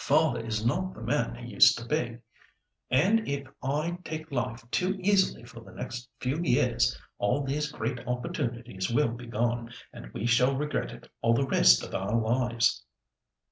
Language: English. Father is not the man he used to be. And if I take life too easily for the next few years, all these great opportunities will be gone, and we shall regret it all the rest of our lives."